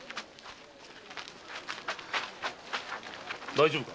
大丈夫か？